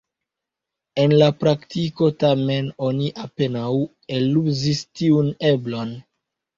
En la praktiko tamen, oni apenaŭ eluzis tiun eblon.